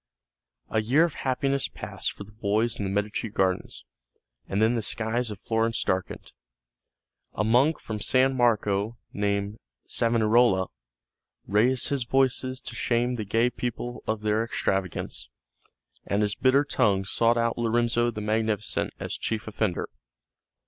A year of happiness passed for the boys in the Medici gardens, and then the skies of Florence darkened. A monk from San Marco named Savonarola raised his voice to shame the gay people of their extravagance, and his bitter tongue sought out Lorenzo the Magnificent as chief offender.